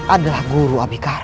adalah guru abikara